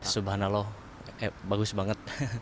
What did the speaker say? subhanallah bagus banget